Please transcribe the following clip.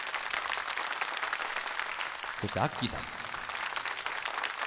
そしてアッキーさんです。